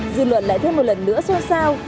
dư luận lại thêm một lần nữa xôn xao